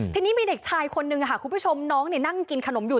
ทีนี้มีเด็กชายคนนึงค่ะคุณผู้ชมน้องนั่งกินขนมอยู่